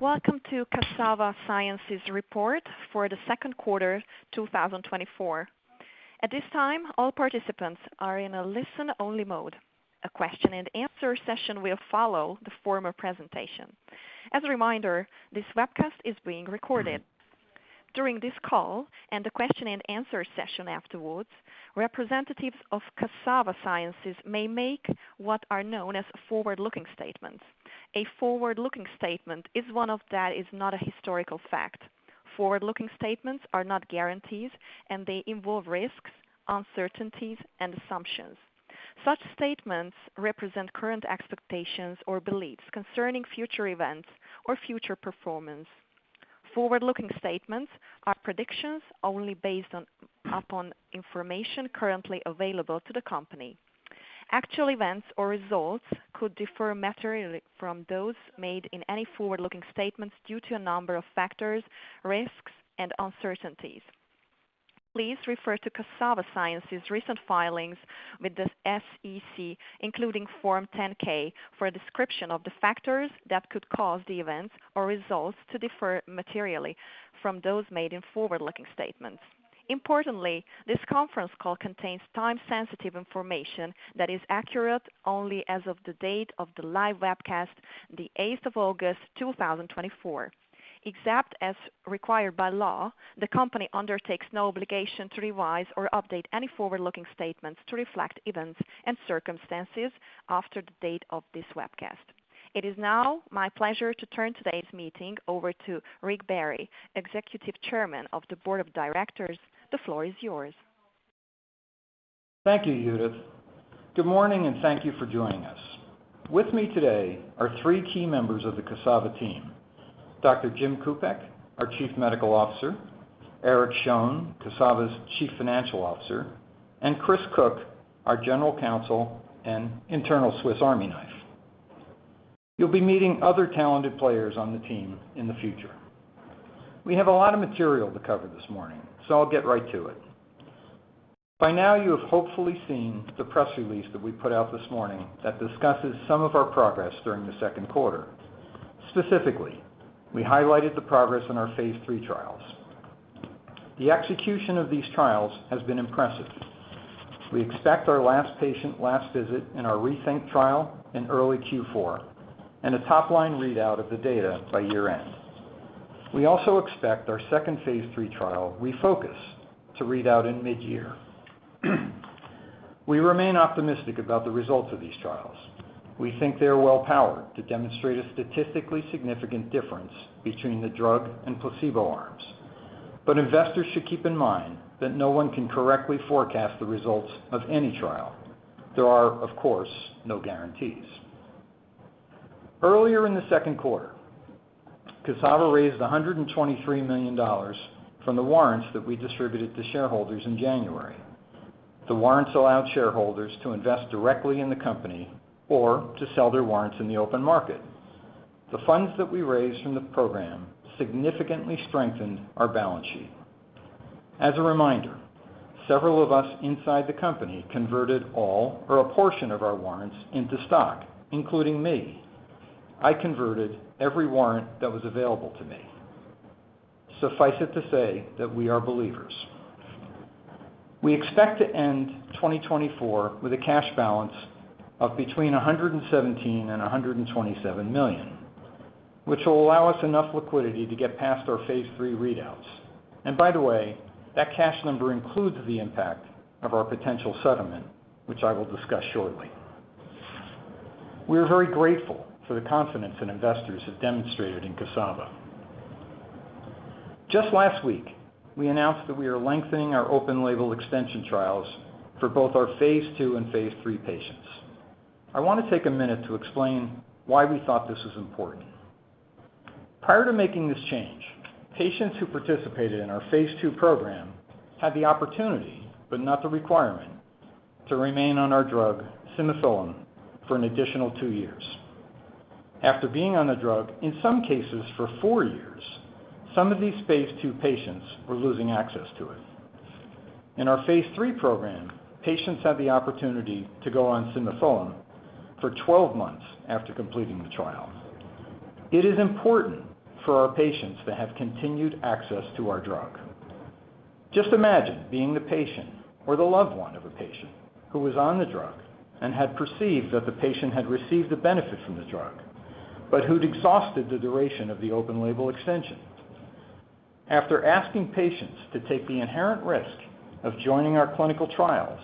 Welcome to Cassava Sciences report for the second quarter 2024. At this time, all participants are in a listen-only mode. A question and answer session will follow the formal presentation. As a reminder, this webcast is being recorded. During this call and the question and answer session afterwards, representatives of Cassava Sciences may make what are known as forward-looking statements. A forward-looking statement is one of that is not a historical fact. Forward-looking statements are not guarantees, and they involve risks, uncertainties, and assumptions. Such statements represent current expectations or beliefs concerning future events or future performance. Forward-looking statements are predictions only based upon information currently available to the company. Actual events or results could differ materially from those made in any forward-looking statements due to a number of factors, risks, and uncertainties. Please refer to Cassava Sciences' recent filings with the SEC, including Form 10-K, for a description of the factors that could cause the events or results to differ materially from those made in forward-looking statements. Importantly, this conference call contains time-sensitive information that is accurate only as of the date of the live webcast, the eighth of August 2024. Except as required by law, the company undertakes no obligation to revise or update any forward-looking statements to reflect events and circumstances after the date of this webcast. It is now my pleasure to turn today's meeting over to Rick Barry, Executive Chairman of the Board of Directors. The floor is yours. Thank you, Judith. Good morning, and thank you for joining us. With me today are three key members of the Cassava team: Dr. Jim Kupiec, our Chief Medical Officer, Eric Schoen, Cassava's Chief Financial Officer, and Chris Cook, our General Counsel and internal Swiss Army knife. You'll be meeting other talented players on the team in the future. We have a lot of material to cover this morning, so I'll get right to it. By now, you have hopefully seen the press release that we put out this morning that discusses some of our progress during the second quarter. Specifically, we highlighted the progress in our phase III trials. The execution of these trials has been impressive. We expect our last patient, last visit in our RETHINK trial in early Q4, and a top-line readout of the data by year-end. We also expect our second Phase III trial, REFOCUS, to read out in mid-year. We remain optimistic about the results of these trials. We think they are well powered to demonstrate a statistically significant difference between the drug and placebo arms. But investors should keep in mind that no one can correctly forecast the results of any trial. There are, of course, no guarantees. Earlier in the second quarter, Cassava raised $123 million from the warrants that we distributed to shareholders in January. The warrants allowed shareholders to invest directly in the company or to sell their warrants in the open market. The funds that we raised from the program significantly strengthened our balance sheet. As a reminder, several of us inside the company converted all or a portion of our warrants into stock, including me. I converted every warrant that was available to me. Suffice it to say that we are believers. We expect to end 2024 with a cash balance of between $117 million and $127 million, which will allow us enough liquidity to get past our phase III readouts. And by the way, that cash number includes the impact of our potential settlement, which I will discuss shortly. We are very grateful for the confidence that investors have demonstrated in Cassava. Just last week, we announced that we are lengthening our open-label extension trials for both our phase 2 and phase 3 patients. I want to take a minute to explain why we thought this was important. Prior to making this change, patients who participated in our phase 2 program had the opportunity, but not the requirement, to remain on our drug, simufilam, for an additional two years. After being on the drug, in some cases, for four years, some of these phase 2 patients were losing access to it. In our phase III program, patients had the opportunity to go on simufilam for 12 months after completing the trial. It is important for our patients to have continued access to our drug. Just imagine being the patient or the loved one of a patient who was on the drug and had perceived that the patient had received a benefit from the drug, but who'd exhausted the duration of the open-label extension. After asking patients to take the inherent risk of joining our clinical trials,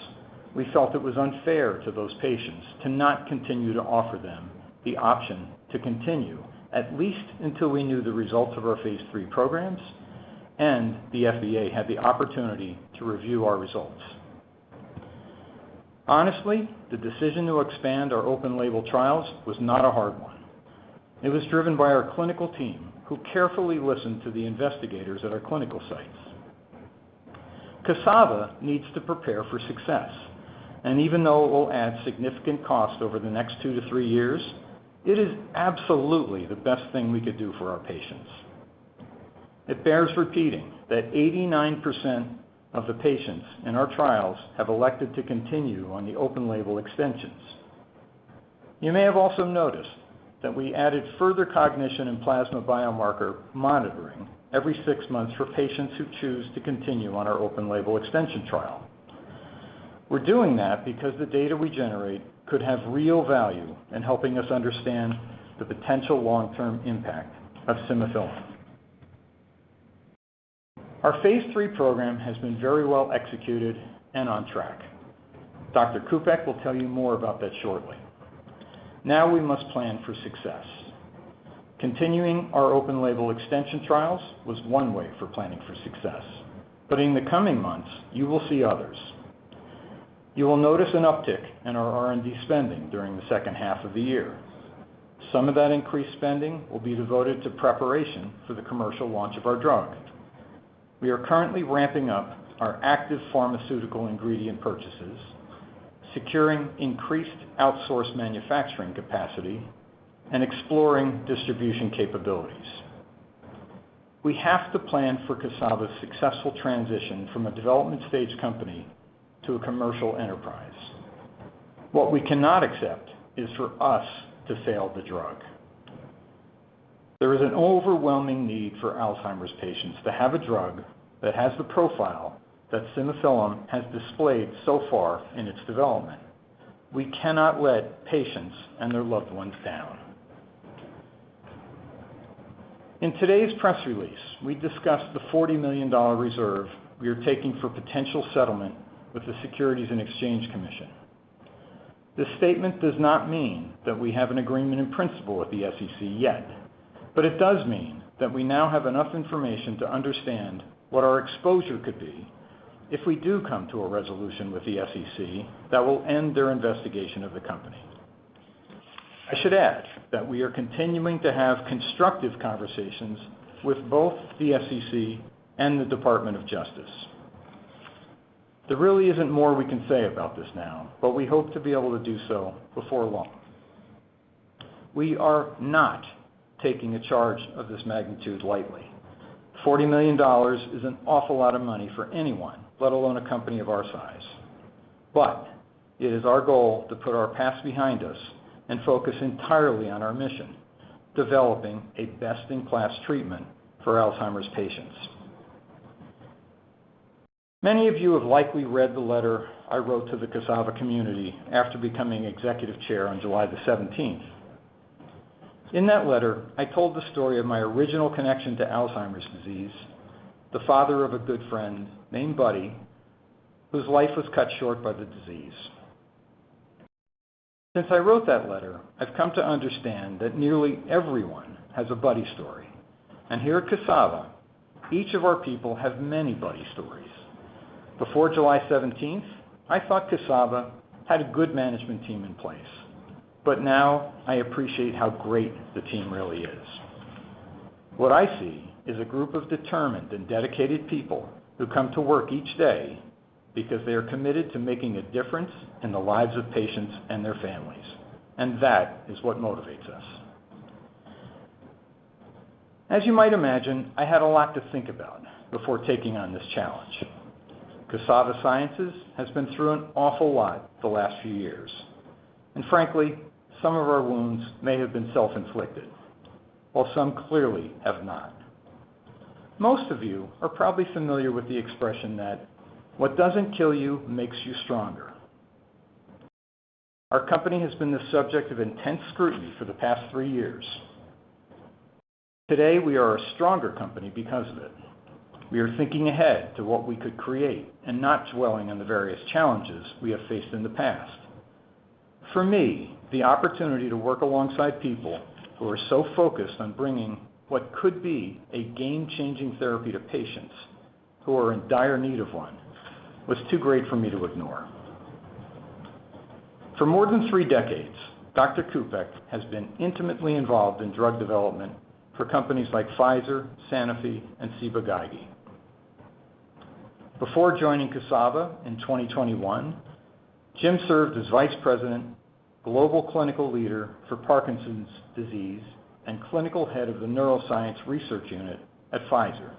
we felt it was unfair to those patients to not continue to offer them the option to continue, at least until we knew the results of our phase 3 programs and the FDA had the opportunity to review our results. Honestly, the decision to expand our open-label trials was not a hard one. It was driven by our clinical team, who carefully listened to the investigators at our clinical sites. Cassava needs to prepare for success, and even though it will add significant cost over the next two to three years, it is absolutely the best thing we could do for our patients.... It bears repeating that 89% of the patients in our trials have elected to continue on the open-label extensions. You may have also noticed that we added further cognition and plasma biomarker monitoring every six months for patients who choose to continue on our open-label extension trial. We're doing that because the data we generate could have real value in helping us understand the potential long-term impact of simufilam. Our Phase 3 program has been very well executed and on track. Dr. Kupiec will tell you more about that shortly. Now we must plan for success. Continuing our open-label extension trials was one way for planning for success, but in the coming months, you will see others. You will notice an uptick in our R&D spending during the second half of the year. Some of that increased spending will be devoted to preparation for the commercial launch of our drug. We are currently ramping up our active pharmaceutical ingredient purchases, securing increased outsourced manufacturing capacity, and exploring distribution capabilities. We have to plan for Cassava's successful transition from a development stage company to a commercial enterprise. What we cannot accept is for us to fail the drug. There is an overwhelming need for Alzheimer's patients to have a drug that has the profile that simufilam has displayed so far in its development. We cannot let patients and their loved ones down. In today's press release, we discussed the $40 million reserve we are taking for potential settlement with the Securities and Exchange Commission. This statement does not mean that we have an agreement in principle with the SEC yet, but it does mean that we now have enough information to understand what our exposure could be if we do come to a resolution with the SEC that will end their investigation of the company. I should add that we are continuing to have constructive conversations with both the SEC and the Department of Justice. There really isn't more we can say about this now, but we hope to be able to do so before long. We are not taking a charge of this magnitude lightly. $40 million is an awful lot of money for anyone, let alone a company of our size. But it is our goal to put our past behind us and focus entirely on our mission, developing a best-in-class treatment for Alzheimer's patients. Many of you have likely read the letter I wrote to the Cassava community after becoming Executive Chair on July the seventeenth. In that letter, I told the story of my original connection to Alzheimer's disease, the father of a good friend named Buddy, whose life was cut short by the disease. Since I wrote that letter, I've come to understand that nearly everyone has a Buddy story, and here at Cassava, each of our people have many Buddy stories. Before July seventeenth, I thought Cassava had a good management team in place, but now I appreciate how great the team really is. What I see is a group of determined and dedicated people who come to work each day because they are committed to making a difference in the lives of patients and their families, and that is what motivates us. As you might imagine, I had a lot to think about before taking on this challenge. Cassava Sciences has been through an awful lot the last few years, and frankly, some of our wounds may have been self-inflicted, while some clearly have not. Most of you are probably familiar with the expression that, "What doesn't kill you, makes you stronger." Our company has been the subject of intense scrutiny for the past three years. Today, we are a stronger company because of it. We are thinking ahead to what we could create and not dwelling on the various challenges we have faced in the past. For me, the opportunity to work alongside people who are so focused on bringing what could be a game-changing therapy to patients who are in dire need of one, was too great for me to ignore. For more than three decades, Dr. Kupiec has been intimately involved in drug development for companies like Pfizer, Sanofi, and Ciba-Geigy. Before joining Cassava in 2021, Jim served as Vice President, Global Clinical Leader for Parkinson's disease and Clinical Head of the Neuroscience Research Unit at Pfizer.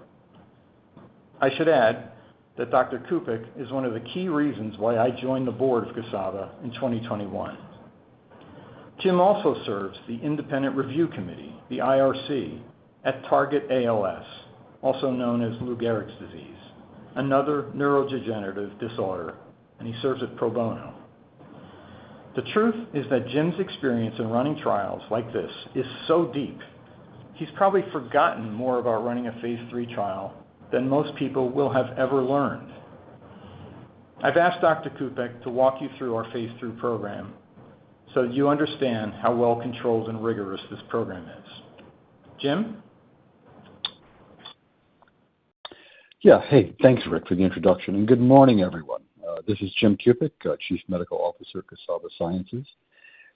I should add that Dr. Kupiec is one of the key reasons why I joined the board of Cassava in 2021. Jim also serves the Independent Review Committee, the IRC, at Target ALS, also known as Lou Gehrig's disease, another neurodegenerative disorder, and he serves it pro bono. The truth is that Jim's experience in running trials like this is so deep, he's probably forgotten more about running a phase 3 trial than most people will have ever learned. I've asked Dr. Kupiec to walk you through our phase 3 program so you understand how well-controlled and rigorous this program is. Jim? Yeah. Hey, thanks, Rick, for the introduction, and good morning, everyone. This is Jim Kupiec, Chief Medical Officer at Cassava Sciences.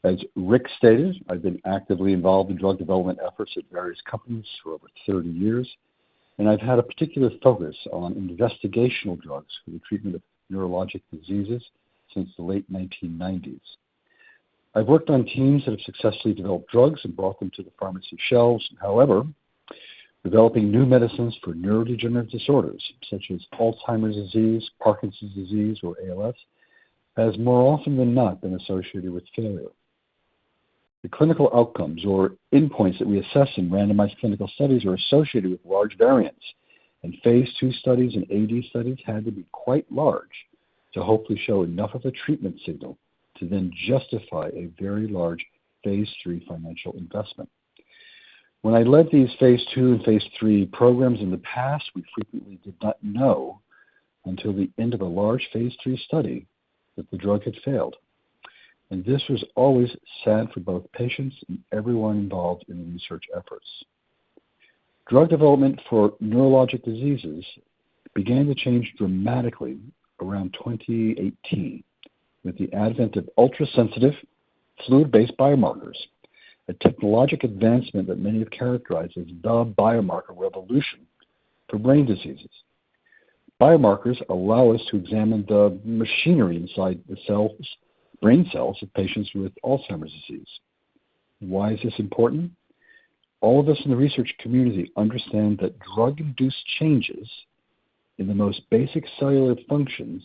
As Rick stated, I've been actively involved in drug development efforts at various companies for over 30 years, and I've had a particular focus on investigational drugs for the treatment of neurologic diseases since the late 1990s. I've worked on teams that have successfully developed drugs and brought them to the pharmacy shelves. However, developing new medicines for neurodegenerative disorders such as Alzheimer's disease, Parkinson's disease, or ALS, has more often than not been associated with failure. The clinical outcomes or endpoints that we assess in randomized clinical studies are associated with large variance, and phase II studies and AD studies had to be quite large to hopefully show enough of a treatment signal to then justify a very large phase III financial investment. When I led these phase II and phase III programs in the past, we frequently did not know until the end of a large phase III study that the drug had failed, and this was always sad for both patients and everyone involved in the research efforts. Drug development for neurologic diseases began to change dramatically around 2018, with the advent of ultrasensitive fluid-based biomarkers, a technologic advancement that many have characterized as the biomarker revolution for brain diseases. Biomarkers allow us to examine the machinery inside the cells, brain cells of patients with Alzheimer's disease. Why is this important? All of us in the research community understand that drug-induced changes in the most basic cellular functions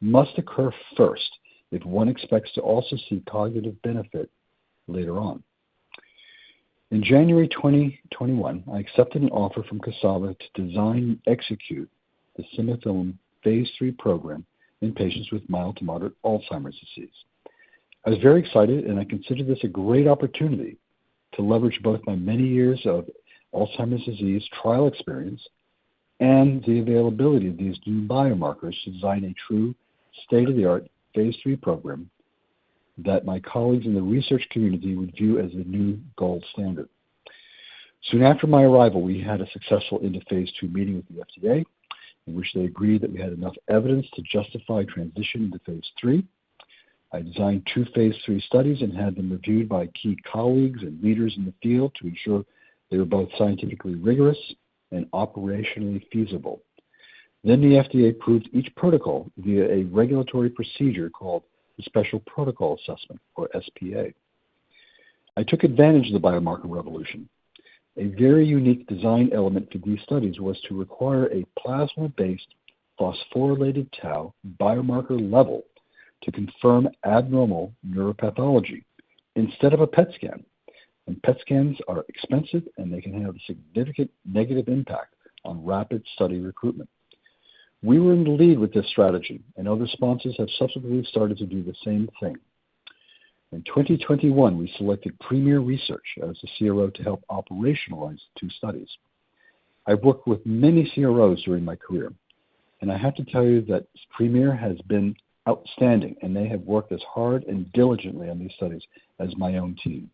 must occur first if one expects to also see cognitive benefit later on. In January 2021, I accepted an offer from Cassava to design and execute the simufilam phase 3 program in patients with mild to moderate Alzheimer's disease. I was very excited, and I considered this a great opportunity to leverage both my many years of Alzheimer's disease trial experience and the availability of these new biomarkers to design a true state-of-the-art phase 3 program that my colleagues in the research community would view as the new gold standard. Soon after my arrival, we had a successful end of phase 2 meeting with the FDA, in which they agreed that we had enough evidence to justify transitioning to phase 3. I designed two phase 3 studies and had them reviewed by key colleagues and leaders in the field to ensure they were both scientifically rigorous and operationally feasible. The FDA approved each protocol via a regulatory procedure called the Special Protocol Assessment, or SPA. I took advantage of the biomarker revolution. A very unique design element for these studies was to require a plasma-based phosphorylated tau biomarker level to confirm abnormal neuropathology instead of a PET scan. PET scans are expensive, and they can have a significant negative impact on rapid study recruitment. We were in the lead with this strategy, and other sponsors have subsequently started to do the same thing. In 2021, we selected Premier Research as a CRO to help operationalize the two studies. I've worked with many CROs during my career, and I have to tell you that Premier has been outstanding, and they have worked as hard and diligently on these studies as my own team.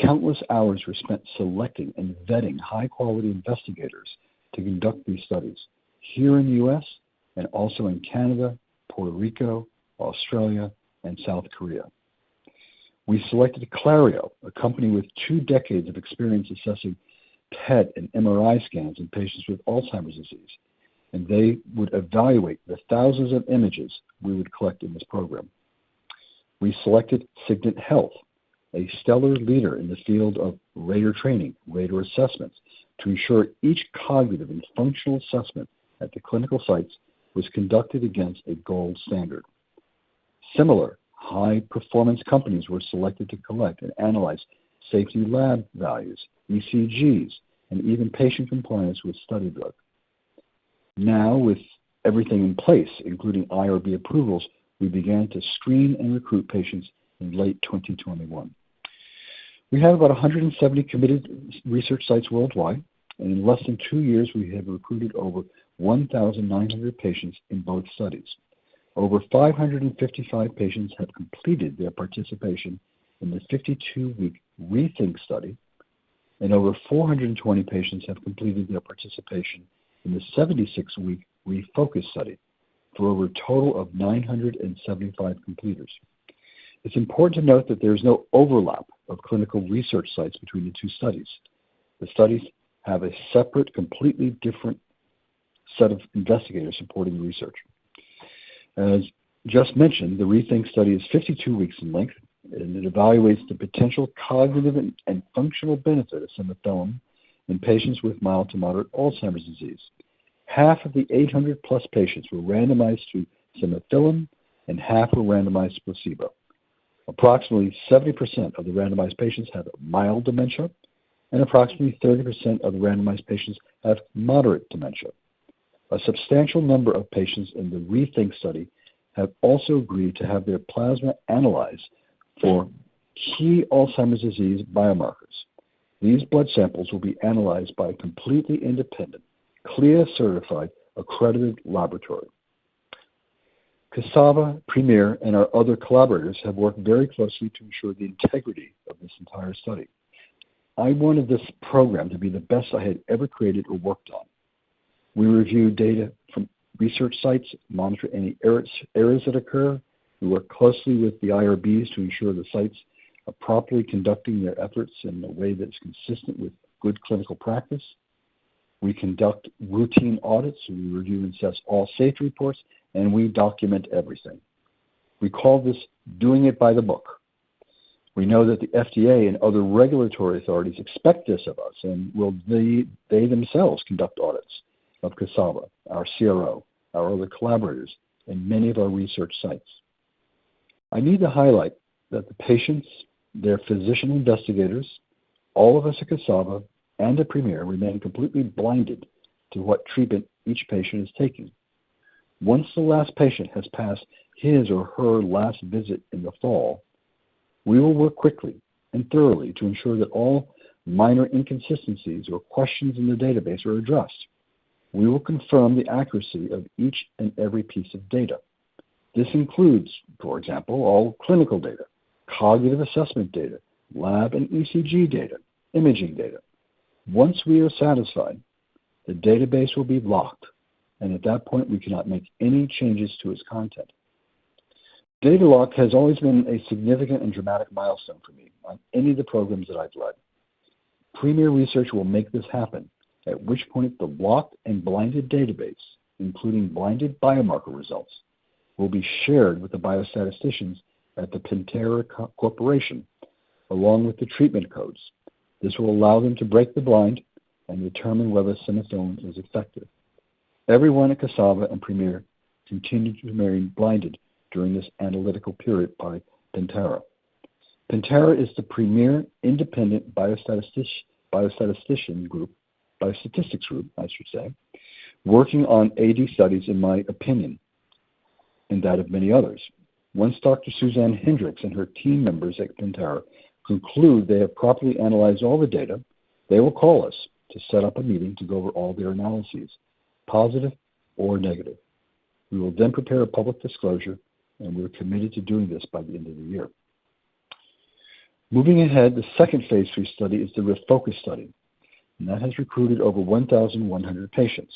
Countless hours were spent selecting and vetting high-quality investigators to conduct these studies here in the U.S. and also in Canada, Puerto Rico, Australia, and South Korea. We selected Clario, a company with two decades of experience assessing PET and MRI scans in patients with Alzheimer's disease, and they would evaluate the thousands of images we would collect in this program. We selected Signant Health, a stellar leader in the field of rater training, rater assessments, to ensure each cognitive and functional assessment at the clinical sites was conducted against a gold standard. Similar high-performance companies were selected to collect and analyze safety lab values, ECGs, and even patient compliance with study drug. Now, with everything in place, including IRB approvals, we began to screen and recruit patients in late 2021. We have about 170 committed research sites worldwide, and in less than two years, we have recruited over 1,900 patients in both studies. Over 555 patients have completed their participation in the 52-week RETHINK study, and over 420 patients have completed their participation in the 76-week REFOCUS study, for over a total of 975 completers. It's important to note that there is no overlap of clinical research sites between the two studies. The studies have a separate, completely different set of investigators supporting the research. As just mentioned, the RETHINK study is 52 weeks in length, and it evaluates the potential cognitive and functional benefits of simufilam in patients with mild to moderate Alzheimer's disease. Half of the 800+ patients were randomized to simufilam, and half were randomized to placebo. Approximately 70% of the randomized patients have mild dementia, and approximately 30% of the randomized patients have moderate dementia. A substantial number of patients in the RETHINK study have also agreed to have their plasma analyzed for key Alzheimer's disease biomarkers. These blood samples will be analyzed by a completely independent, CLIA-certified, accredited laboratory. Cassava, Premier, and our other collaborators have worked very closely to ensure the integrity of this entire study. I wanted this program to be the best I had ever created or worked on. We review data from research sites, monitor any error areas that occur. We work closely with the IRBs to ensure the sites are properly conducting their efforts in a way that's consistent with good clinical practice. We conduct routine audits, we review and assess all safety reports, and we document everything. We call this doing it by the book. We know that the FDA and other regulatory authorities expect this of us, and well, they, they themselves conduct audits of Cassava, our CRO, our other collaborators, and many of our research sites. I need to highlight that the patients, their physician investigators, all of us at Cassava, and at Premier remain completely blinded to what treatment each patient is taking. Once the last patient has passed his or her last visit in the fall, we will work quickly and thoroughly to ensure that all minor inconsistencies or questions in the database are addressed. We will confirm the accuracy of each and every piece of data. This includes, for example, all clinical data, cognitive assessment data, lab and ECG data, imaging data. Once we are satisfied, the database will be locked, and at that point, we cannot make any changes to its content. Data lock has always been a significant and dramatic milestone for me on any of the programs that I've led. Premier Research will make this happen, at which point the locked and blinded database, including blinded biomarker results, will be shared with the biostatisticians at the Pentara Corporation, along with the treatment codes. This will allow them to break the blind and determine whether simufilam is effective. Everyone at Cassava and Premier continues to remain blinded during this analytical period by Pentara. Pentara is the premier independent biostatistics group, I should say, working on AD studies, in my opinion, and that of many others. Once Dr. Suzanne Hendrix and her team members at Pentara conclude they have properly analyzed all the data, they will call us to set up a meeting to go over all their analyses, positive or negative. We will then prepare a public disclosure, and we are committed to doing this by the end of the year. Moving ahead, the second phase 3 study is the REFOCUS study, and that has recruited over 1,100 patients.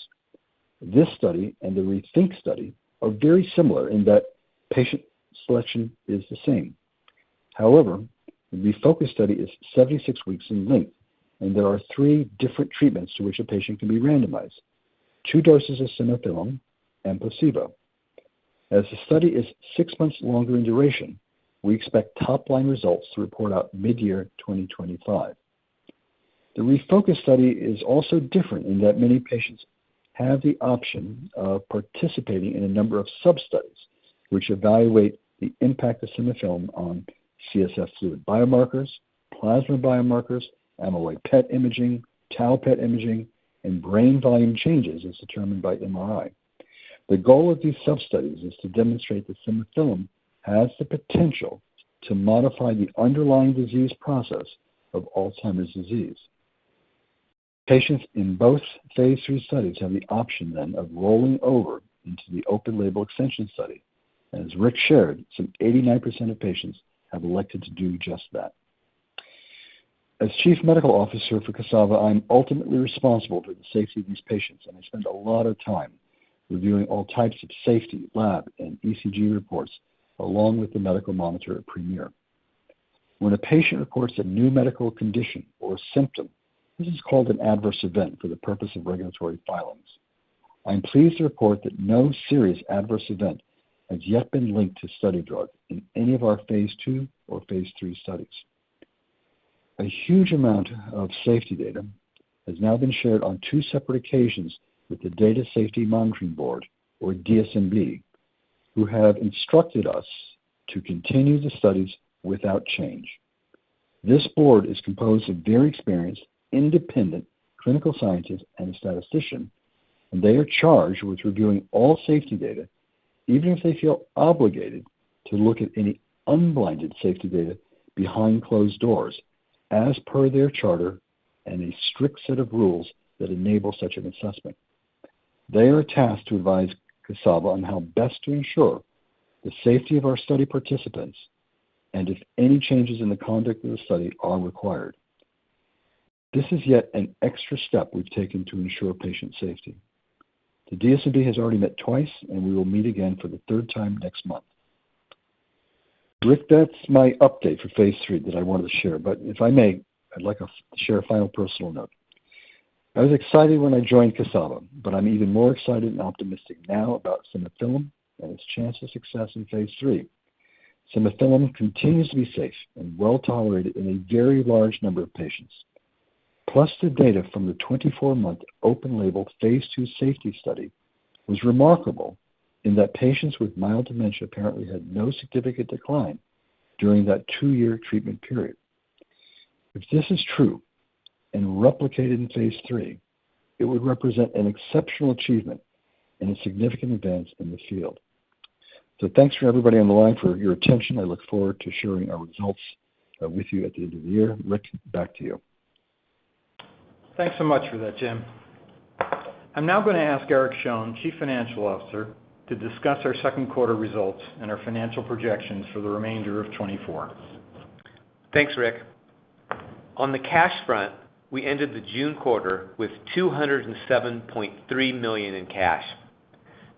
This study and the RETHINK study are very similar in that patient selection is the same. However, the REFOCUS study is 76 weeks in length, and there are three different treatments to which a patient can be randomized: two doses of simufilam and placebo. As the study is six months longer in duration, we expect top-line results to report out midyear 2025. The REFOCUS study is also different in that many patients have the option of participating in a number of substudies, which evaluate the impact of simufilam on CSF fluid biomarkers, plasma biomarkers, amyloid PET imaging, tau PET imaging, and brain volume changes as determined by MRI. The goal of these substudies is to demonstrate that simufilam has the potential to modify the underlying disease process of Alzheimer's disease. Patients in both phase 3 studies have the option then of rolling over into the open-label extension study, and as Rick shared, some 89% of patients have elected to do just that. As Chief Medical Officer for Cassava, I'm ultimately responsible for the safety of these patients, and I spend a lot of time reviewing all types of safety, lab, and ECG reports, along with the medical monitor at Premier. When a patient reports a new medical condition or symptom, this is called an adverse event for the purpose of regulatory filings. I'm pleased to report that no serious adverse event has yet been linked to study drug in any of our phase 2 or phase 3 studies. A huge amount of safety data has now been shared on two separate occasions with the Data Safety Monitoring Board, or DSMB, who have instructed us to continue the studies without change. This board is composed of very experienced, independent clinical scientists and a statistician, and they are charged with reviewing all safety data, even if they feel obligated to look at any unblinded safety data behind closed doors, as per their charter and a strict set of rules that enable such an assessment. They are tasked to advise Cassava on how best to ensure the safety of our study participants and if any changes in the conduct of the study are required. This is yet an extra step we've taken to ensure patient safety. The DSMB has already met twice, and we will meet again for the third time next month. Rick, that's my update for phase 3 that I wanted to share, but if I may, I'd like to share a final personal note. I was excited when I joined Cassava, but I'm even more excited and optimistic now about simufilam and its chance of success in phase 3. Simufilam continues to be safe and well-tolerated in a very large number of patients. Plus, the data from the 24-month open label phase 2 safety study was remarkable in that patients with mild dementia apparently had no significant decline during that 2-year treatment period. If this is true and replicated in phase 3, it would represent an exceptional achievement and a significant advance in the field. So thanks for everybody on the line for your attention. I look forward to sharing our results with you at the end of the year. Rick, back to you. Thanks so much for that, Jim. I'm now going to ask Eric Schoen, Chief Financial Officer, to discuss our second quarter results and our financial projections for the remainder of 2024. Thanks, Rick. On the cash front, we ended the June quarter with $207.3 million in cash....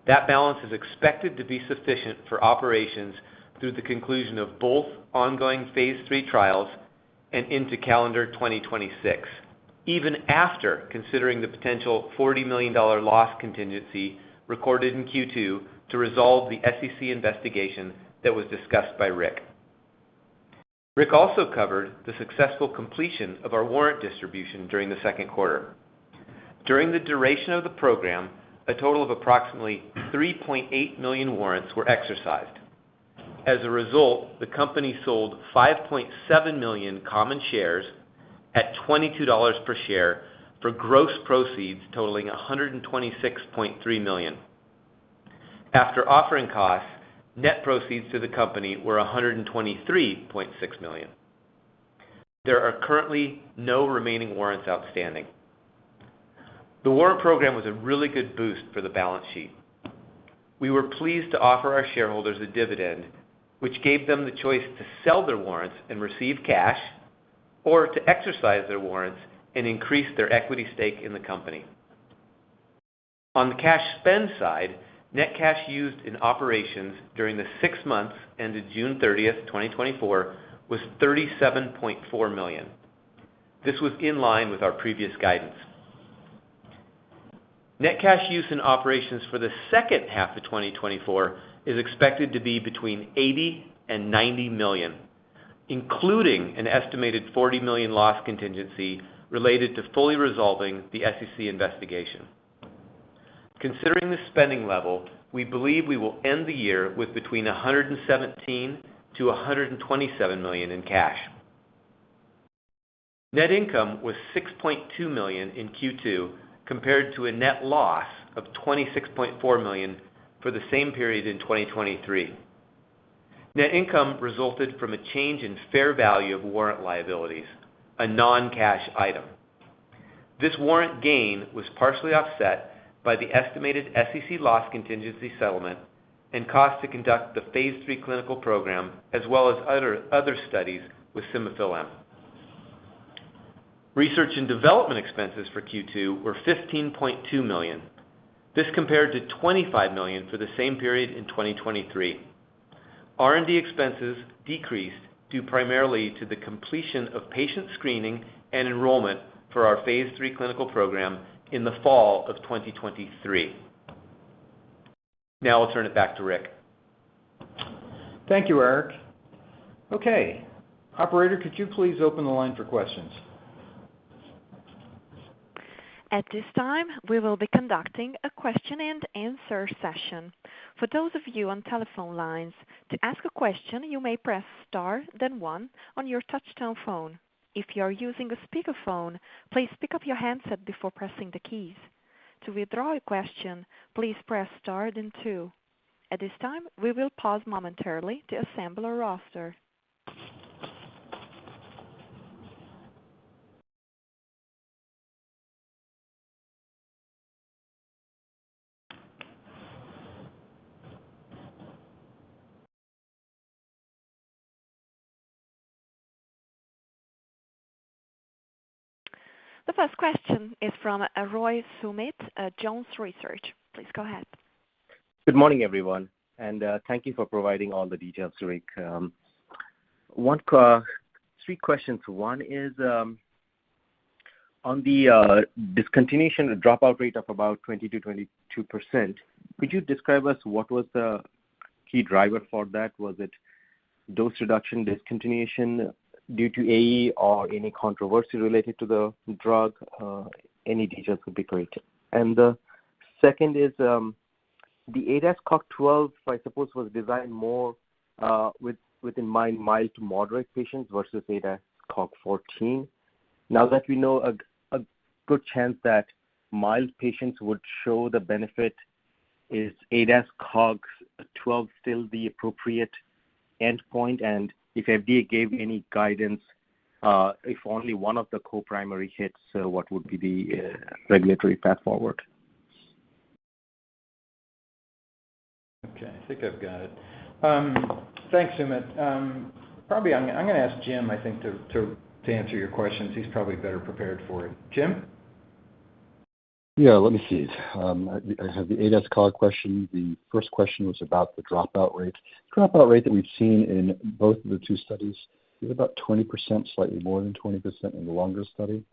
That balance is expected to be sufficient for operations through the conclusion of both ongoing phase 3 trials and into calendar 2026, even after considering the potential $40 million loss contingency recorded in Q2 to resolve the SEC investigation that was discussed by Rick. Rick also covered the successful completion of our warrant distribution during the second quarter. During the duration of the program, a total of approximately 3.8 million warrants were exercised. As a result, the company sold 5.7 million common shares at $22 per share for gross proceeds totaling $126.3 million. After offering costs, net proceeds to the company were $123.6 million. There are currently no remaining warrants outstanding. The warrant program was a really good boost for the balance sheet. We were pleased to offer our shareholders a dividend, which gave them the choice to sell their warrants and receive cash, or to exercise their warrants and increase their equity stake in the company. On the cash spend side, net cash used in operations during the six months ended June 30, 2024, was $37.4 million. This was in line with our previous guidance. Net cash use in operations for the second half of 2024 is expected to be between $80 million and $90 million, including an estimated $40 million loss contingency related to fully resolving the SEC investigation. Considering the spending level, we believe we will end the year with between $117 million-$127 million in cash. Net income was $6.2 million in Q2, compared to a net loss of $26.4 million for the same period in 2023. Net income resulted from a change in fair value of warrant liabilities, a non-cash item. This warrant gain was partially offset by the estimated SEC loss contingency settlement and costs to conduct the phase 3 clinical program, as well as other studies with simufilam. Research and development expenses for Q2 were $15.2 million. This compared to $25 million for the same period in 2023. Now I'll turn it back to Rick. Thank you, Eric. Okay, operator, could you please open the line for questions? At this time, we will be conducting a question-and-answer session. For those of you on telephone lines, to ask a question, you may press Star, then one on your touchtone phone. If you are using a speakerphone, please pick up your handset before pressing the keys. To withdraw a question, please press Star then two. At this time, we will pause momentarily to assemble a roster. The first question is from Soumit Roy at Jones Research. Please go ahead. Good morning, everyone, and thank you for providing all the details, Rick. One, three questions. One is, on the discontinuation dropout rate of about 20%-22%, could you describe us what was the key driver for that? Was it dose reduction, discontinuation due to AE or any controversy related to the drug? Any details would be great. And the second is, the ADAS-Cog 12, I suppose, was designed more with in mind mild to moderate patients versus ADAS-Cog 14. Now that we know a good chance that mild patients would show the benefit, is ADAS-Cog 12 still the appropriate endpoint? And if FDA gave any guidance, if only one of the co-primary hits, what would be the regulatory path forward? Okay, I think I've got it. Thanks, Soumit. Probably I'm gonna ask Jim, I think, to answer your questions. He's probably better prepared for it. Jim? Yeah, let me see. I have the ADAS-Cog question. The first question was about the dropout rate. Dropout rate that we've seen in both of the two studies is about 20%, slightly more than 20% in the longer study.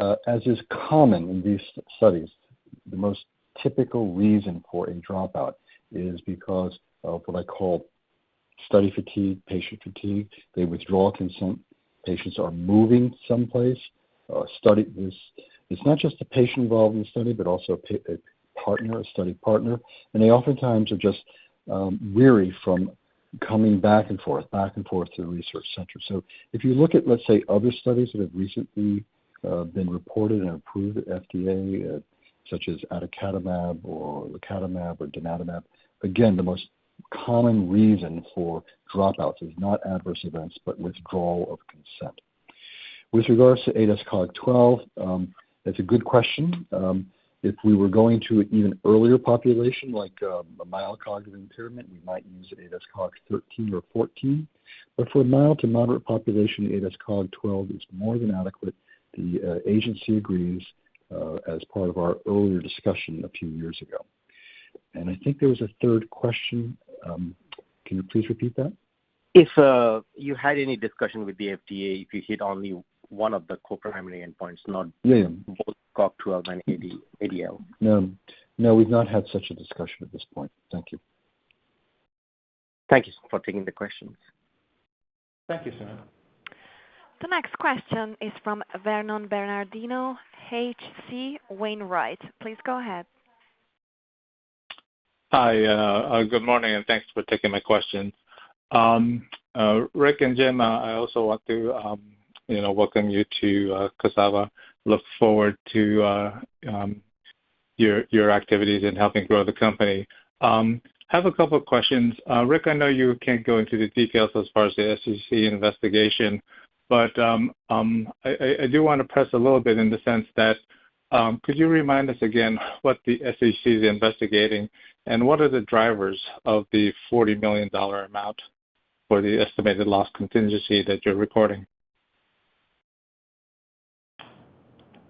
As is common in these studies, the most typical reason for a dropout is because of what I call study fatigue, patient fatigue. They withdraw consent. Patients are moving someplace. It's not just the patient involved in the study, but also a partner, a study partner, and they oftentimes are just weary from coming back and forth, back and forth to the research center. So if you look at, let's say, other studies that have recently been reported and approved at FDA, such as aducanumab or lecanemab or donanemab, again, the most common reason for dropouts is not adverse events, but withdrawal of consent. With regards to ADAS-Cog 12, that's a good question. If we were going to an even earlier population, like, a mild cognitive impairment, we might use ADAS-Cog 13 or 14. But for a mild to moderate population, ADAS-Cog 12 is more than adequate. The agency agrees, as part of our earlier discussion a few years ago.... And I think there was a third question. Can you please repeat that? If you had any discussion with the FDA, if you hit only one of the co-primary endpoints, not- Yeah. Both COG 12 and AD, ADL. No. No, we've not had such a discussion at this point. Thank you. Thank you for taking the questions. Thank you, sir. The next question is from Vernon Bernardino, H.C. Wainwright. Please go ahead. Hi, good morning, and thanks for taking my question. Rick and Jim, I also want to, you know, welcome you to your activities in helping grow the company. Have a couple of questions. Rick, I know you can't go into the details as far as the SEC investigation, but, I do wanna press a little bit in the sense that, could you remind us again what the SEC is investigating, and what are the drivers of the $40 million amount for the estimated loss contingency that you're recording?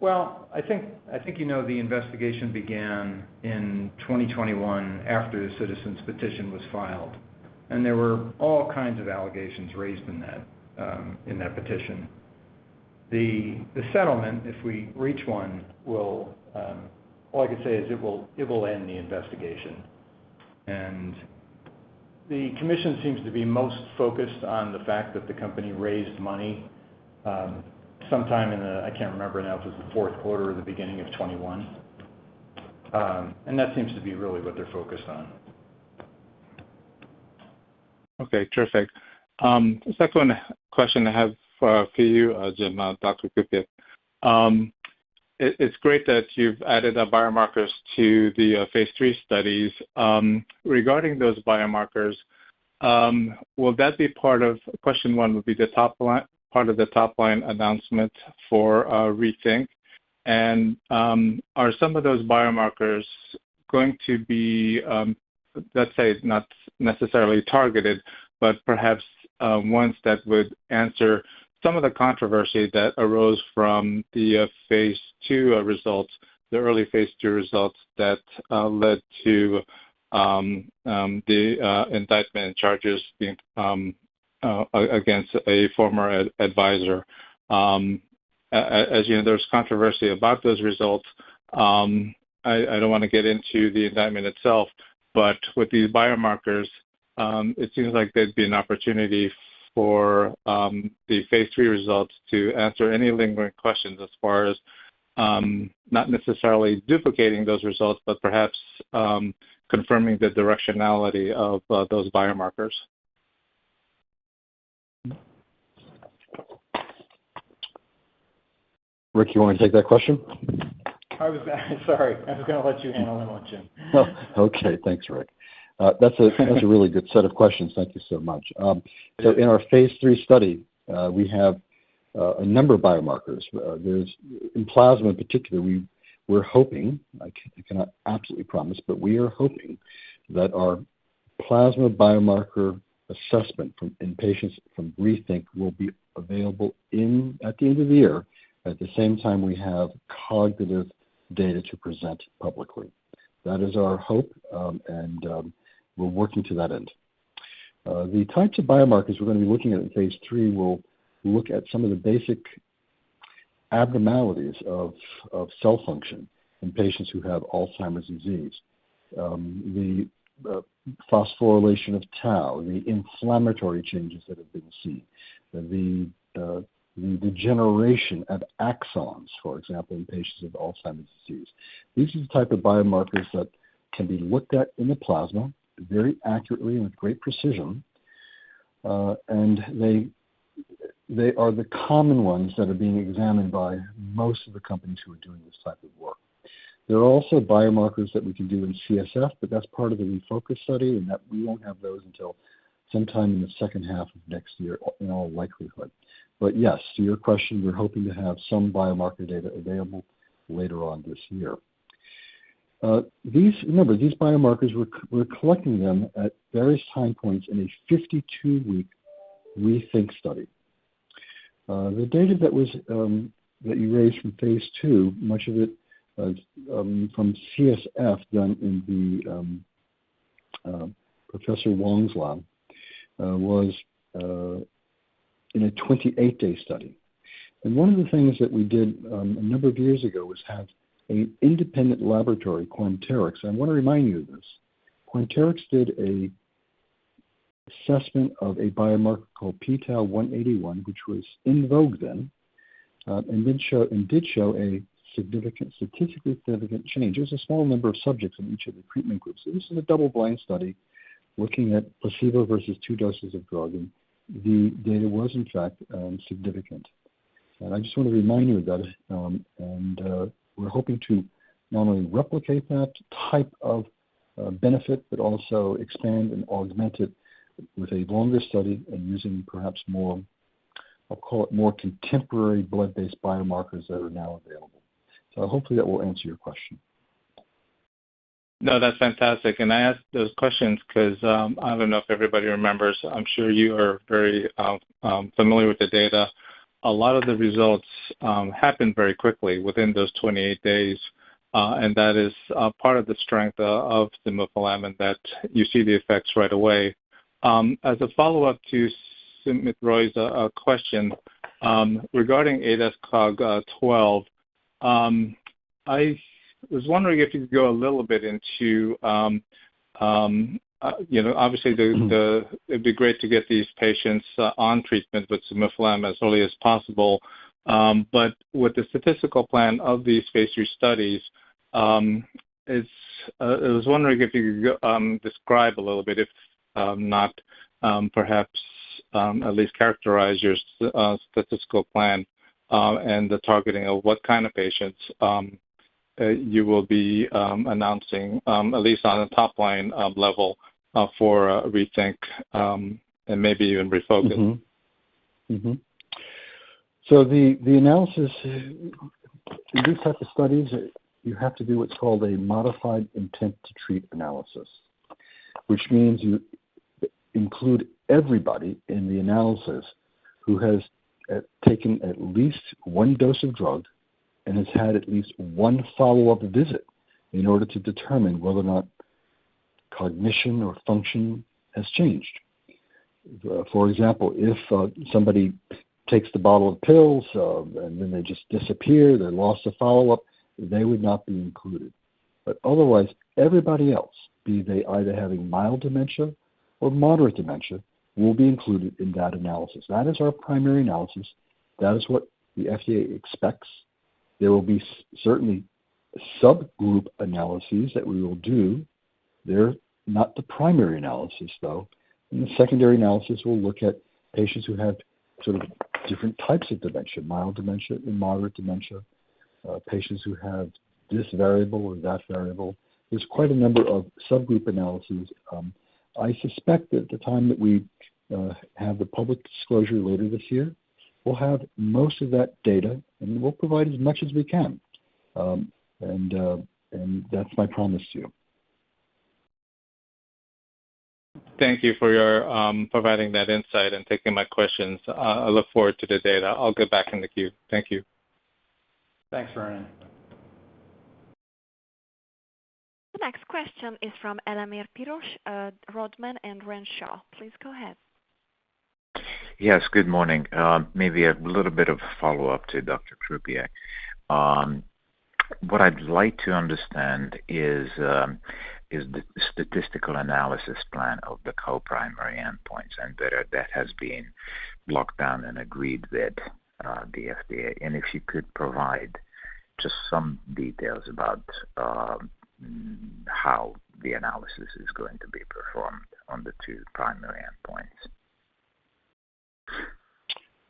Well, I think, I think you know, the investigation began in 2021 after the citizens petition was filed, and there were all kinds of allegations raised in that, in that petition. The settlement, if we reach one, will... all I can say is it will end the investigation. And the commission seems to be most focused on the fact that the company raised money, sometime in the, I can't remember now, if it was the fourth quarter or the beginning of 2021. And that seems to be really what they're focused on. Okay, terrific. The second question I have for you, Jim, Dr. Kupiec, it's great that you've added the biomarkers to the phase 3 studies. Regarding those biomarkers, will that be part of question one, would be the top line, part of the top-line announcement for RETHINK? And, are some of those biomarkers going to be, let's say it's not necessarily targeted, but perhaps, ones that would answer some of the controversy that arose from the phase 2 results, the early phase 2 results that led to the indictment charges being against a former advisor. As you know, there's controversy about those results. I don't wanna get into the indictment itself, but with these biomarkers, it seems like there'd be an opportunity for the phase three results to answer any lingering questions as far as not necessarily duplicating those results, but perhaps confirming the directionality of those biomarkers. Rick, you want to take that question? Sorry, I was gonna let you handle that one, Jim. Okay. Thanks, Rick. That's a really good set of questions. Thank you so much. So in our phase 3 study, we have a number of biomarkers. There's, in plasma in particular, we're hoping, I cannot absolutely promise, but we are hoping that our plasma biomarker assessment from patients from RETHINK will be available in, at the end of the year, at the same time we have cognitive data to present publicly. That is our hope, and we're working to that end. The types of biomarkers we're gonna be looking at in phase 3 will look at some of the basic abnormalities of cell function in patients who have Alzheimer's disease. The phosphorylation of tau, the inflammatory changes that have been seen, the degeneration of axons, for example, in patients with Alzheimer's disease. These are the type of biomarkers that can be looked at in the plasma, very accurately and with great precision, and they are the common ones that are being examined by most of the companies who are doing this type of work. There are also biomarkers that we can do in CSF, but that's part of the REFOCUS study, and that we won't have those until sometime in the second half of next year, in all likelihood. But yes, to your question, we're hoping to have some biomarker data available later on this year. These... remember, these biomarkers, we're collecting them at various time points in a 52-week RETHINK study. The data that you raised from phase 2, much of it, from CSF done in Professor Wang's lab, was in a 28-day study. And one of the things that we did, a number of years ago, was have an independent laboratory, Quanterix, and I want to remind you of this. Quanterix did an assessment of a biomarker called p-tau 181, which was in vogue then, and did show a significant, statistically significant change. It was a small number of subjects in each of the treatment groups. So this is a double-blind study looking at placebo versus 2 doses of drug, and the data was in fact significant. I just want to remind you of that. We're hoping to not only replicate that type of benefit, but also expand and augment it with a longer study and using perhaps more—I'll call it more contemporary blood-based biomarkers that are now available. Hopefully that will answer your question. No, that's fantastic. I asked those questions 'cause I don't know if everybody remembers. I'm sure you are very familiar with the data. A lot of the results happened very quickly within those 28 days, and that is part of the strength of the simufilam, that you see the effects right away. As a follow-up to Soumit Roy's question regarding ADAS-Cog 12, I was wondering if you could go a little bit into, you know, obviously it'd be great to get these patients on treatment with simufilam as early as possible. But with the statistical plan of these phase three studies, it's, I was wondering if you could describe a little bit, if not, perhaps at least characterize your statistical plan, and the targeting of what kind of patients you will be announcing, at least on a top line level, for RETHINK, and maybe even REFOCUS. So the analysis, in these types of studies, you have to do what's called a modified intent-to-treat analysis. Which means you include everybody in the analysis who has taken at least one dose of drug and has had at least one follow-up visit in order to determine whether or not cognition or function has changed. For example, if somebody takes the bottle of pills and then they just disappear, they're lost to follow-up, they would not be included. But otherwise, everybody else, be they either having mild dementia or moderate dementia, will be included in that analysis. That is our primary analysis. That is what the FDA expects. There will be certainly subgroup analyses that we will do. They're not the primary analysis, though. In the secondary analysis, we'll look at patients who have sort of different types of dementia, mild dementia and moderate dementia, patients who have this variable or that variable. There's quite a number of subgroup analyses. I suspect at the time that we have the public disclosure later this year, we'll have most of that data, and we'll provide as much as we can. And that's my promise to you. Thank you for your providing that insight and taking my questions. I look forward to the data. I'll get back in the queue. Thank you. Thanks, Vernon. The next question is from Elemer Piros, Rodman & Renshaw. Please go ahead. Yes, good morning. Maybe a little bit of a follow-up to Dr. Kupiec. What I'd like to understand is, is the statistical analysis plan of the co-primary endpoints, and that, that has been locked down and agreed with, the FDA. And if you could provide just some details about, how the analysis is going to be performed on the two primary endpoints.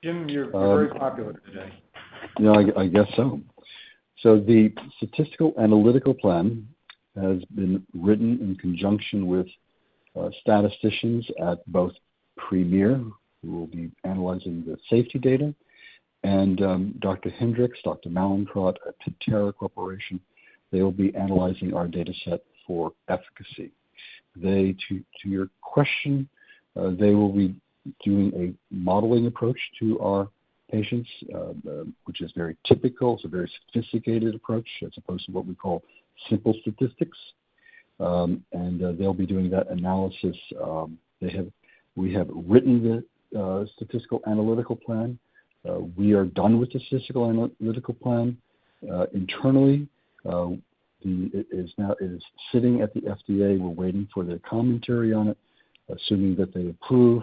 Jim, you're very popular today. You know, I guess so. So the statistical analytical plan has been written in conjunction with statisticians at both Premier, who will be analyzing the safety data, and Dr. Hendrix, Dr. Mallinckrodt at Pentara Corporation. They will be analyzing our dataset for efficacy. They, to your question, they will be doing a modeling approach to our patients, which is very typical. It's a very sophisticated approach as opposed to what we call simple statistics. And they'll be doing that analysis. They have. We have written the statistical analytical plan. We are done with the statistical analytical plan internally. It is now sitting at the FDA. We're waiting for their commentary on it. Assuming that they approve,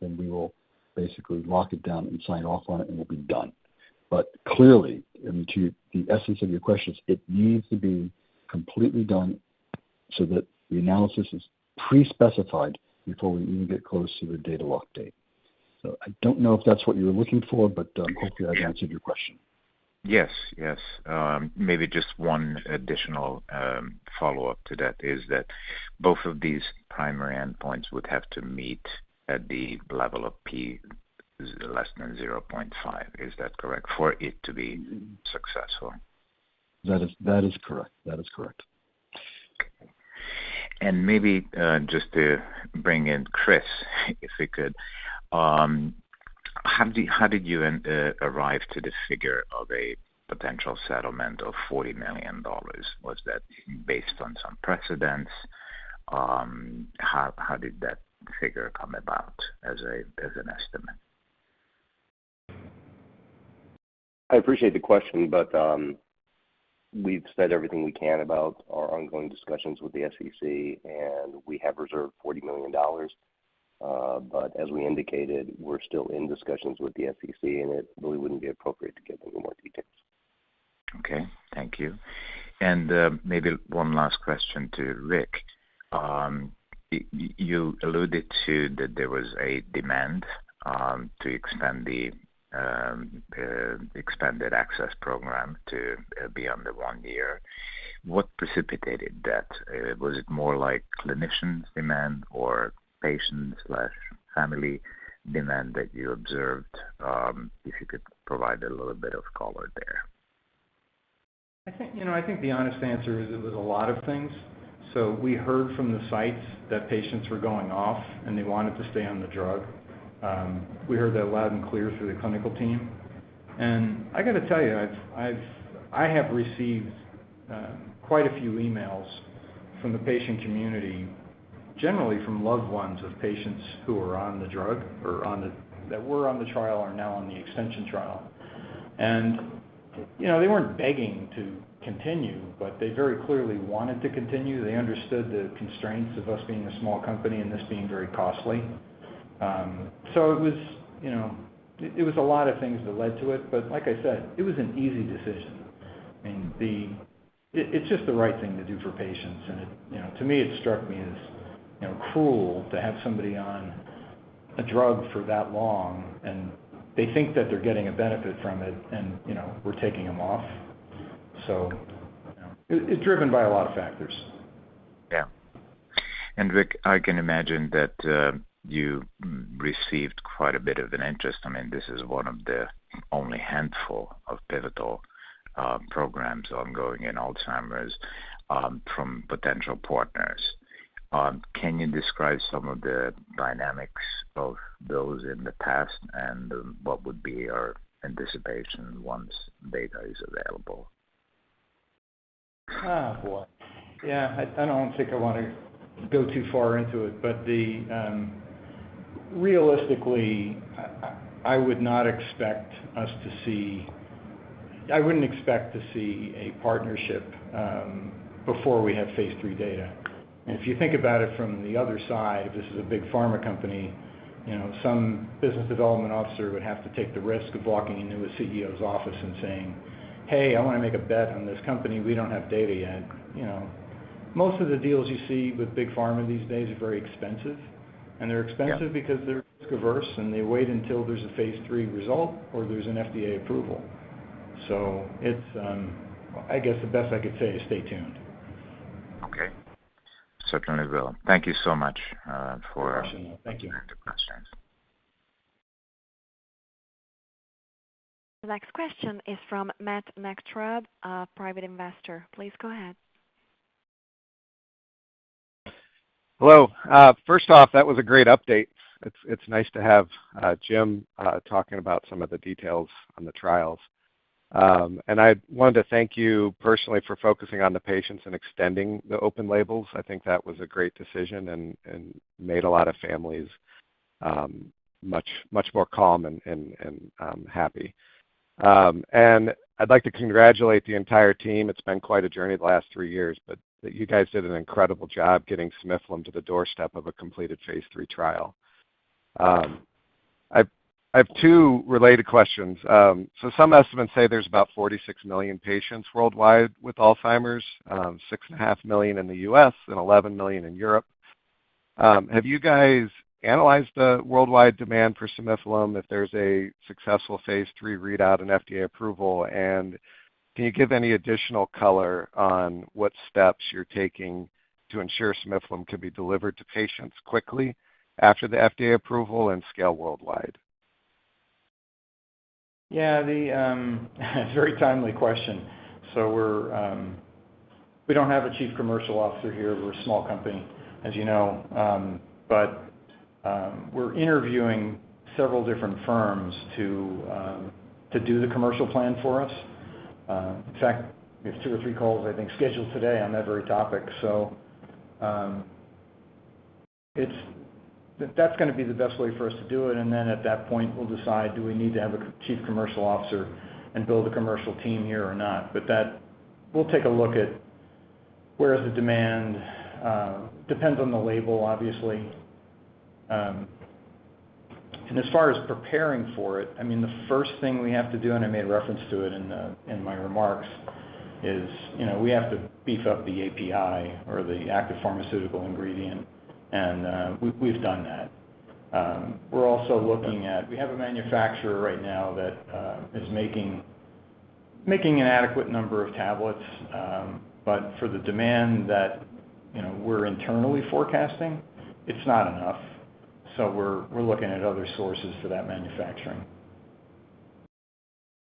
then we will basically lock it down and sign off on it, and we'll be done. But clearly, and to the essence of your question, it needs to be completely done so that the analysis is pre-specified before we even get close to the data lock date. So I don't know if that's what you were looking for, but, hopefully I've answered your question. Yes, yes. Maybe just one additional follow-up to that, is that both of these primary endpoints would have to meet at the level of P, less than 0.5. Is that correct, for it to be successful? That is, that is correct. That is correct. Maybe just to bring in Chris, if he could. How did you arrive to the figure of a potential settlement of $40 million? Was that based on some precedents? How did that figure come about as an estimate? I appreciate the question, but we've said everything we can about our ongoing discussions with the SEC, and we have reserved $40 million. But as we indicated, we're still in discussions with the SEC, and it really wouldn't be appropriate to give any more details. Okay. Thank you. And maybe one last question to Rick. You alluded to that there was a demand to expand the expanded access program to beyond the one year. What precipitated that? Was it more like clinicians' demand or patient slash family demand that you observed? If you could provide a little bit of color there. I think, you know, I think the honest answer is it was a lot of things. So we heard from the sites that patients were going off, and they wanted to stay on the drug. We heard that loud and clear through the clinical team. And I got to tell you, I've received quite a few emails from the patient community, generally from loved ones of patients who are on the drug or on the-- that were on the trial, are now on the extension trial. And, you know, they weren't begging to continue, but they very clearly wanted to continue. They understood the constraints of us being a small company and this being very costly. So it was, you know, it was a lot of things that led to it. But like I said, it was an easy decision. I mean, it's just the right thing to do for patients, and, you know, to me, it struck me as, you know, cruel to have somebody on a drug for that long, and they think that they're getting a benefit from it, and, you know, we're taking them off. So it's driven by a lot of factors. Yeah. Rick, I can imagine that you received quite a bit of an interest. I mean, this is one of the only handful of pivotal programs ongoing in Alzheimer's from potential partners. Can you describe some of the dynamics of those in the past, and what would be your anticipation once data is available? Oh, boy! Yeah, I don't think I want to go too far into it. But realistically, I would not expect us to see—I wouldn't expect to see a partnership before we have Phase Three data. If you think about it from the other side, this is a big pharma company. You know, some business development officer would have to take the risk of walking into a CEO's office and saying: Hey, I want to make a bet on this company. We don't have data yet. You know, most of the deals you see with big pharma these days are very expensive, and they're expensive- Yeah. - because they're risk averse, and they wait until there's a Phase Three result or there's an FDA approval. So it's, I guess the best I could say is stay tuned. Okay, certainly will. Thank you so much, for- Thank you. answering the questions. The next question is from Matt Nachtrab, a private investor. Please go ahead. Hello. First off, that was a great update. It's, it's nice to have Jim talking about some of the details on the trials. And I wanted to thank you personally for focusing on the patients and extending the open labels. I think that was a great decision and, and made a lot of families much, much more calm and, and, and happy. And I'd like to congratulate the entire team. It's been quite a journey the last three years, but you guys did an incredible job getting simufilam to the doorstep of a completed phase 3 trial. I've, I've two related questions. So some estimates say there's about 46 million patients worldwide with Alzheimer's, 6.5 million in the US and 11 million in Europe. Have you guys analyzed the worldwide demand for simufilam if there's a successful phase 3 readout and FDA approval? Can you give any additional color on what steps you're taking to ensure simufilam can be delivered to patients quickly after the FDA approval and scale worldwide? Yeah, the very timely question. So we're, we don't have a chief commercial officer here. We're a small company, as you know, but, we're interviewing several different firms to, to do the commercial plan for us. In fact, we have two or three calls, I think, scheduled today on that very topic. So, it's... That's gonna be the best way for us to do it, and then at that point, we'll decide, do we need to have a chief commercial officer and build a commercial team here or not? But that, we'll take a look at where the demand, depends on the label, obviously. And as far as preparing for it, I mean, the first thing we have to do, and I made reference to it in my remarks, is, you know, we have to beef up the API or the active pharmaceutical ingredient, and we've done that. We're also looking at... We have a manufacturer right now that is making an adequate number of tablets, but for the demand that, you know, we're internally forecasting, it's not enough. So we're looking at other sources for that manufacturing.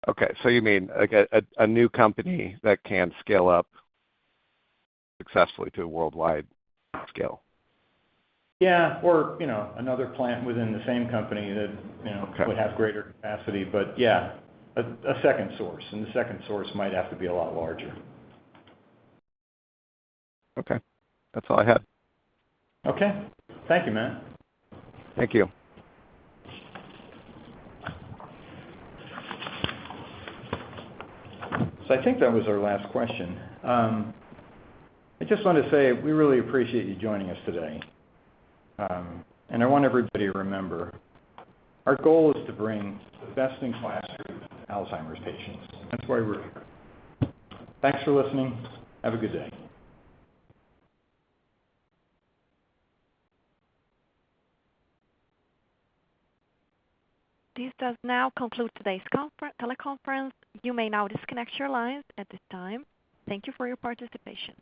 Okay, so you mean, like a new company that can scale up successfully to a worldwide scale? Yeah, or, you know, another plant within the same company that, you know, kind of have greater capacity. But yeah, a second source, and the second source might have to be a lot larger. Okay, that's all I had. Okay. Thank you, Matt. Thank you. So I think that was our last question. I just want to say we really appreciate you joining us today, and I want everybody to remember, our goal is to bring the best in class to Alzheimer's patients. That's why we're here. Thanks for listening. Have a good day. This does now conclude today's teleconference. You may now disconnect your lines at this time. Thank you for your participation.